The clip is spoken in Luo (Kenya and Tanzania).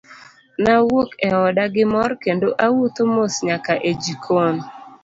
Nawuok e oda gi mor kendo awuotho mos nyaka e jikon.